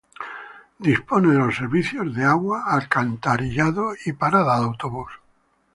Dispone de los servicios de agua, alcantarillado y parada de autobús.